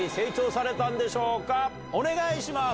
お願いします！